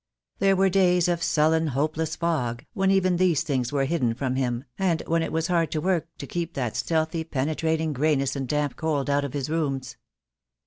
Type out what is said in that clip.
There were days of sullen, hopeless fog, when even these things were hidden from him, and when it was hard work to keep that stealthy, penetrating greyness and damp cold out of his rooms.